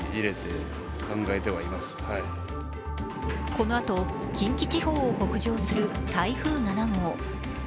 このあと近畿地方を北上する台風７号。